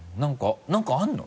何かあるの？